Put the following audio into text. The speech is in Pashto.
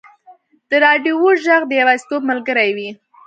د راډیو ږغ د یوازیتوب ملګری وي.